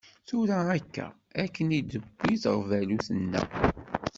Tura akka, akken i d-tewwi teɣbalut-nneɣ.